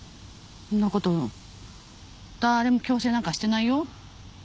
そんなこと誰も強制なんかしてないよ？